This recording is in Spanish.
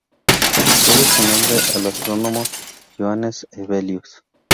Debe su nombre al astrónomo Johannes Hevelius.